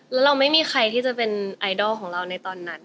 แล้วเราไม่มีใครที่จะเป็นไอดอลของเราในตอนนั้น